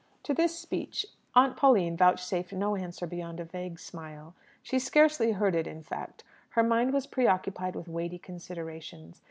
To this speech Aunt Pauline vouchsafed no answer beyond a vague smile. She scarcely heard it, in fact. Her mind was preoccupied with weighty considerations.